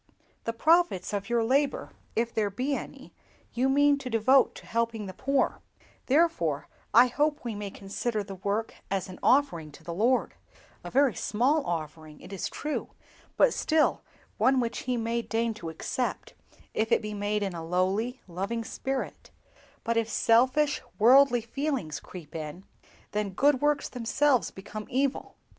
The profits of your labor, if there be any, you mean to devote to helping the poor; therefore I hope that we may consider the work as an offering to the Lord—a very small offering, it is true, but still one which He may deign to accept, if it be made in a lowly, loving spirit; but if selfish, worldly feelings creep in, then good works themselves become evil.